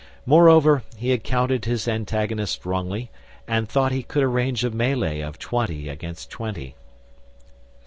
Moreover, he had counted his antagonist wrongly, and thought he could arrange a melee of twenty against twenty.